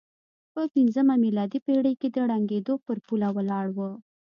په پځمه میلادي پېړۍ کې ړنګېدو پر پوله ولاړ و.